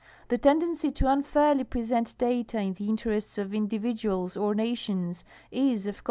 Tlie tendency to unfairly present data in the interests of indi viduals or nations is of con.